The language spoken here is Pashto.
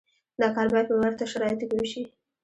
دا کار باید په ورته شرایطو کې وشي.